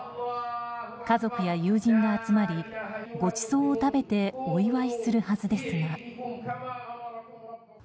家族や友人が集まりごちそうを食べてお祝いするはずですが。